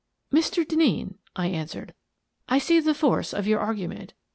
" Mr. Denneen," I answered, " I see the force of your argument.